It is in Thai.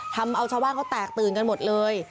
ทำเอาชาวบ้านเขาแตกตื่นกันหมดเลย